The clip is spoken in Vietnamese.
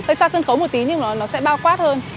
tại xa sân khấu một tí nhưng mà nó sẽ bao quát hơn